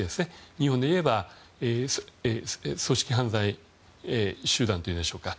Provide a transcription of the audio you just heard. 日本でいえば、組織犯罪集団と言うんでしょうか。